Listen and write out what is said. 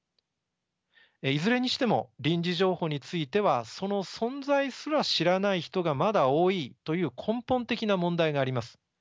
いずれにしても臨時情報についてはその存在すら知らない人がまだ多いという根本的な問題があります。